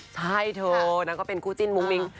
ใช่เธอนางก็เป็นคู่จิ้นมุ้งมิ้ง